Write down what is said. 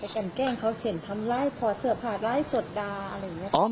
กันแกล้งเขาเช่นทำร้ายถอดเสื้อผ้าไลฟ์สดด่าอะไรอย่างนี้